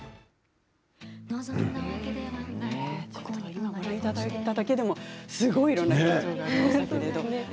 今ご覧いただいただけでもいろんな表情がありましたけれども。